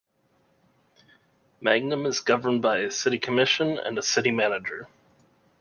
Mangum is governed by a city commission and a City Manager.